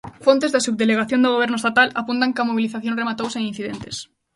Fontes da Subdelegación do Goberno estatal apuntan que a mobilización rematou sen incidentes.